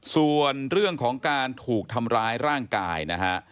ส่วนเรื่องของการถูกทำร้ายร่างกายนะฮะ